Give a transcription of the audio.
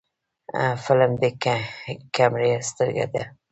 فلم د کیمرې سترګه ده